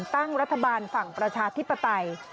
ตั้งรัฐบาลฝั่งประชาธิปไตย